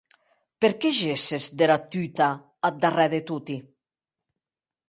Per qué gesses dera tuta eth darrèr de toti?